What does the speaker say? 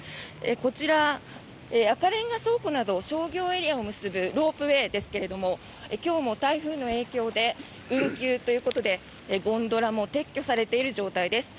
こちら、赤レンガ倉庫など商業エリアを結ぶロープウェーですが今日も台風の影響で運休ということでゴンドラも撤去されているという状況です。